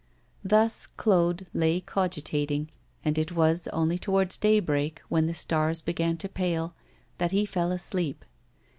Thus Claude lay cogitating, and it was only towards daybreak, when the stars began to pale, that he fell asleep.